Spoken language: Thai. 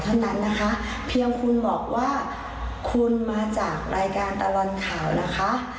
เท่านั้นนะคะเพียงคุณบอกว่าคุณมาจากรายการตลอดข่าวนะคะ